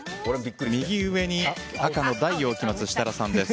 右上に赤の大を置きます設楽さんです。